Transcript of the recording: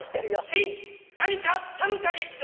「新何かあったのか劇場」